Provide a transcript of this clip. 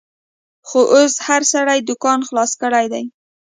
خو اوس هر سړي دوکان خلاص کړیدی